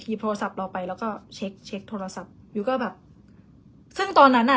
โทรศัพท์เราไปแล้วก็เช็คเช็คโทรศัพท์ยุ้ยก็แบบซึ่งตอนนั้นอ่ะ